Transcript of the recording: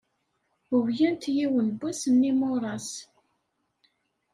Uwyent yiwen wass n yimuras.